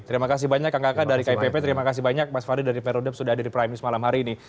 terima kasih banyak kang kakak dari kipp terima kasih banyak mas fadli dari perudep sudah hadir di prime news malam hari ini